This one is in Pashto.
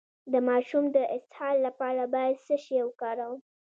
د ماشوم د اسهال لپاره باید څه شی وکاروم؟